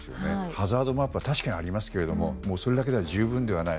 ハザードマップは確かにありますが十分ではない。